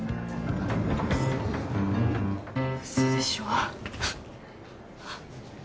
嘘でしょ！